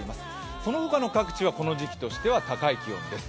そのほかの各地はこの時期としては高い気温です。